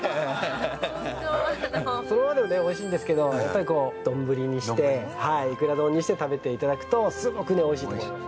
そのままでもねおいしいんですけどやっぱり丼にしていくら丼にして食べていただくとすごくねおいしいと思います。